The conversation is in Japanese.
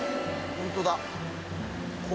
ホントだ怖。